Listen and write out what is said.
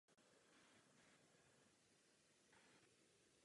Byla též obviněna z rasismu.